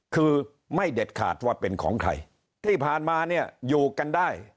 คือไม่เด็ดขาดว่าเป็นของใครที่ผ่านมาเนี่ยอยู่กันได้